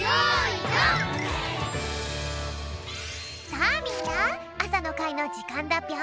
さあみんなあさのかいのじかんだぴょん。